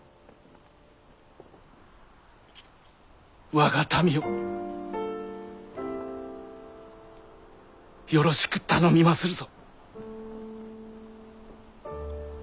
我が民をよろしく頼みまするぞ。